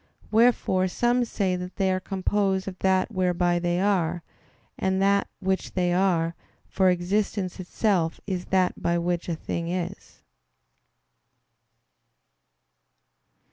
Wherefore some say that they are composed of that "whereby they are" and that "which they are"; for existence itself is that by which a thing is.